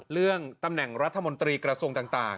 เรื่องตำแหน่งรัฐมนตรีกระทรวงต่าง